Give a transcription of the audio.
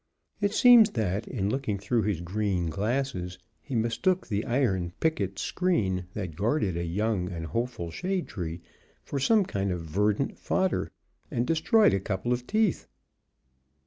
It seems that, in looking through his green glasses, he mistook the iron picket screen that guarded a young and hopeful shade tree for some kind of verdant fodder, and destroyed a couple of teeth.